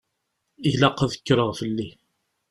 Ilaq ad kkreɣ fell-i.